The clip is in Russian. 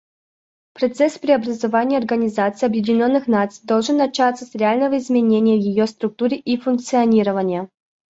Процесс преобразования Организации Объединенных Наций должен начаться с реального изменения ее структуры и функционирования.